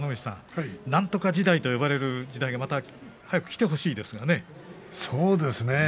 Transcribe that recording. なんとか時代と呼ばれる時代が早くきてほしいですね。